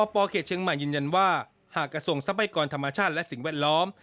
เขตเชียงใหม่ยืนยันว่าหากกระทรวงทรัพยากรธรรมชาติและสิ่งแวดล้อม